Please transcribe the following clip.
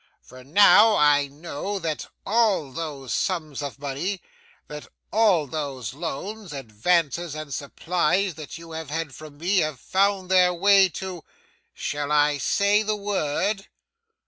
For now, I know, that all those sums of money, that all those loans, advances, and supplies that you have had from me, have found their way to shall I say the word?